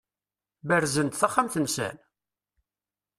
Berzen-d taxxamt-nsen?